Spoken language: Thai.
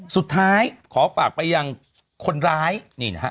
สุดท้ายขอฝากไปอย่างคนร้ายนี่นะฮะ